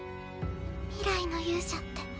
未来の勇者って。